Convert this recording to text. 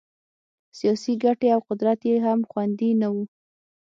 سیاسي ګټې او قدرت یې هم خوندي نه وو.